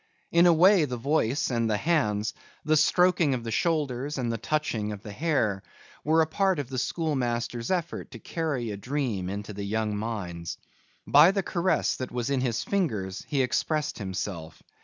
In a way the voice and the hands, the stroking of the shoulders and the touching of the hair were a part of the schoolmaster's effort to carry a dream into the young minds. By the caress that was in his fingers he expressed himself.